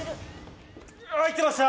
入ってました！